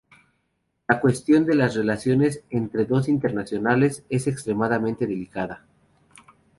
La cuestión de las relaciones entre las dos internacionales es extremadamente delicada.